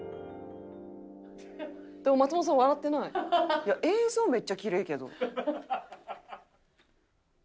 「でも松本さん笑ってない」「映像めっちゃキレイやけど」